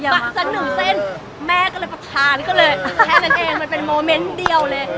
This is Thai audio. สักหนึ่งเส้นแม่ก็เลยประทานก็เลยแค่นั้นเองมันเป็นโมเมนต์เดียวเลย